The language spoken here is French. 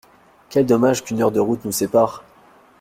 Quel dommage qu’une heure de route nous sépare!